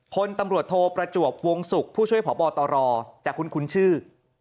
พลตำรวจโทประจวบวงศุกร์ผู้ช่วยพบตรจากคุ้นชื่อ